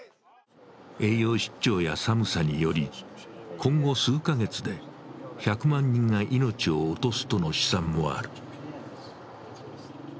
栄養失調や寒さにより今後、数か月で１００万人が命を落とすとの試算もある。